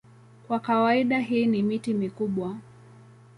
Kwa kawaida hii ni miti mikubwa.